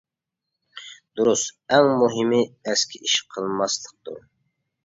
دۇرۇس، ئەڭ مۇھىمى ئەسكى ئىش قىلماسلىقتۇر.